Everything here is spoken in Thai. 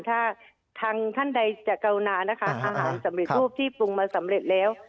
ถ้าทางท่านใดจะกรุณานะคะอาหารสำเร็จรูปที่ปรุงมาสำเร็จแล้ว